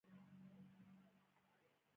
صادرات د تادیاتو بیلانس کسر له مینځه وړي.